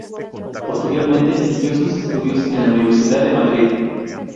Posteriormente siguió sus estudios en la Universidad de Madrid.